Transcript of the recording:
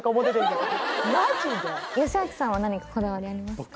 よしあきさんは何かこだわりありますか？